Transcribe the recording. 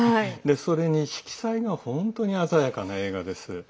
それに色彩が本当に鮮やかな映画です。